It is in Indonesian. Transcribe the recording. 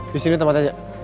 di sini tempat aja